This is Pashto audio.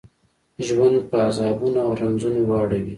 ژوند په عذابونو او رنځونو واړوي.